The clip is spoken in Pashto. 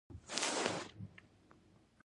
په افغانستان کې د افغانستان د موقعیت ډېر اهمیت لري.